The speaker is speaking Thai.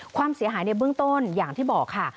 ความเสียหายในเบื้องต้นอย่างที่บอกค่ะ